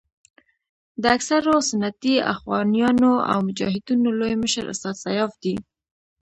د اکثرو سنتي اخوانیانو او مجاهدینو لوی مشر استاد سیاف دی.